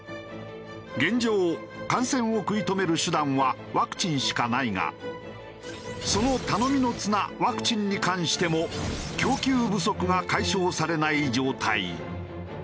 現状感染を食い止める手段はワクチンしかないがその頼みの綱ワクチンに関しても供給不足が解消されない状態。